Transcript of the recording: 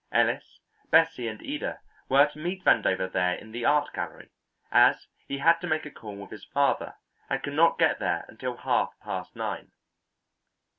Ellis, Bessie, and Ida were to meet Vandover there in the Art Gallery, as he had to make a call with his father, and could not get there until half past nine.